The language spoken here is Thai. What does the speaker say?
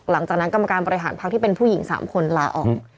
หลังจากนั้นกรรมการบริหารพรรคที่เป็นผู้หญิง๓คนลาออก